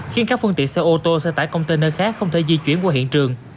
khiến các phương tiện xe ô tô xe tải container khác không thể di chuyển qua hiện trường